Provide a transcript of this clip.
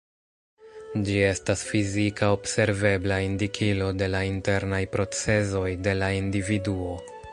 Ĝi estas fizika observebla indikilo de la internaj procezoj de la individuo.